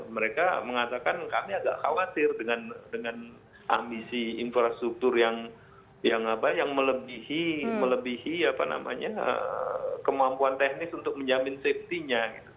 mereka mengatakan kami agak khawatir dengan ambisi infrastruktur yang melebihi kemampuan teknis untuk menjamin safety nya